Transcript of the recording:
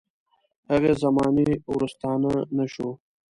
هغې زمانې ورستانه نه شو.